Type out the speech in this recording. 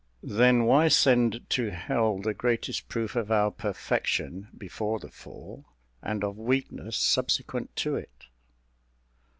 Then why send to hell the greatest proof of our perfection before the fall, and of weakness subsequent to it?